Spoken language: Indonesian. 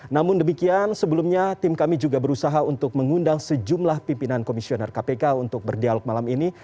namun demikian sebelumnya tim kami juga berusaha untuk mengundang sejumlah pimpinan komisioner kpk untuk berdialog malam ini